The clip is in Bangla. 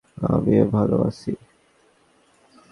আমিও ভালো আছি।